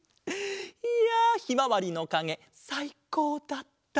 いやひまわりのかげさいこうだった！